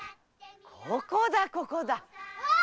ここだここだ！